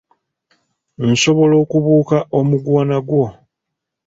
Nsobola okubuuka omuguwa nagwo.